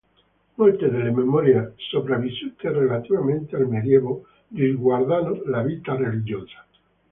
Molte delle memorie sopravvissute, relativamente al medioevo, riguardano la vita religiosa.